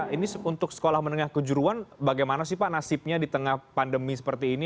ini untuk sekolah menengah kejuruan bagaimana sih pak nasibnya di tengah pandemi seperti ini